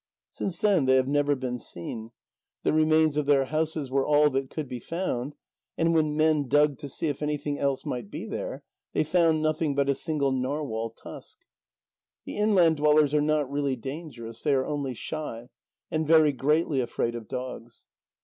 Since then they have never been seen. The remains of their houses were all that could be found, and when men dug to see if anything else might be there, they found nothing but a single narwhal tusk. The inland dwellers are not really dangerous, they are only shy, and very greatly afraid of dogs.